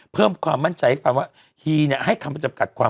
เพิ่มความมั่นใจให้ฟังว่า